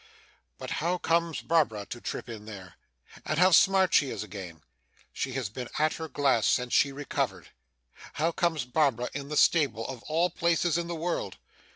But how comes Barbara to trip in there? and how smart she is again! she has been at her glass since she recovered. How comes Barbara in the stable, of all places in the world?